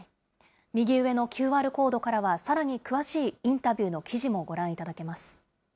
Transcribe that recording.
右上のＱＲコードからは、さらに詳しいインタビューの記事もご覧いただけます。